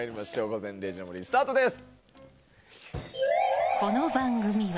「午前０時の森」スタートです。